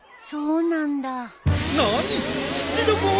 そうなんだ。